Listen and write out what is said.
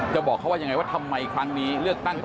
บอกเขาว่ายังไงว่าทำไมครั้งนี้เลือกตั้งต่อ